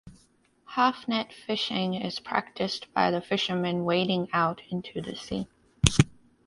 Haaf net fishing is practised by the fishermen wading out into the sea.